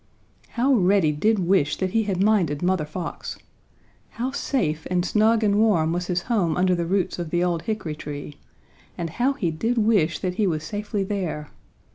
How Reddy did wish that he had minded Mother Fox! How safe and snug and warm was his home under the roots of the old hickory tree, and how he did wish that he was safely there!